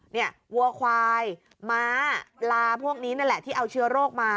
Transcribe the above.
วัวควายม้าลาพวกนี้นั่นแหละที่เอาเชื้อโรคมา